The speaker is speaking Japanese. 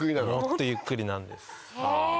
もっとゆっくりなんです。